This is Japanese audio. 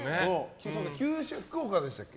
福岡でしたっけ。